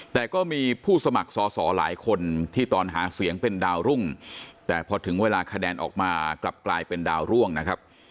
แต่ก็มีผู้สมัครสอสอหลายคนที่ตอนหาเสียงเป็นดาวรุ่งแต่พอถึงเวลาคะแนนออกมากลับกลายเป็นดาวร่วงนะครับ